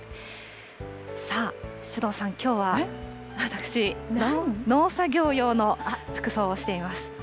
さあ、首藤さん、きょうは私、農作業用の服装をしています。